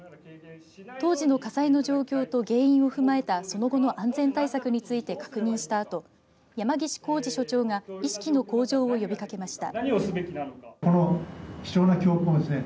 当時の火災の状況と原因を踏まえたその後の安全対策について確認したあと山岸孝司所長が意識の向上を呼びかけました。